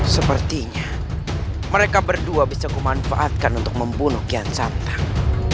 sepertinya mereka berdua bisa kumanfaatkan untuk membunuh kian santang